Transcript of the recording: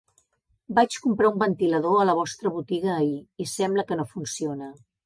Vaig comprar un ventilador a la vostra botiga ahir i sembla que no funciona.